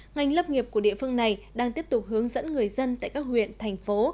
ngành lập nghiệp của địa phương này đang tiếp tục hướng dẫn người dân tại các huyện thành phố